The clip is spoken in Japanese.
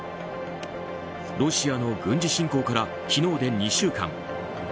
ロシアの軍事侵攻から昨日で２週間。